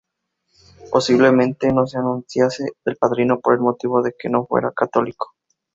Posiblemente no se anunciase el padrino por el motivo de que no fuera católico.